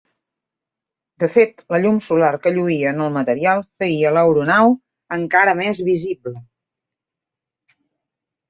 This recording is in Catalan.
De fet, la llum solar que lluïa en el material feia l'aeronau encara més visible.